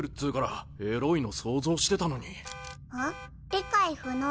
理解不能。